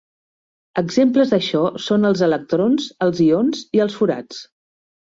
Exemples d'això són els electrons, els ions i els forats.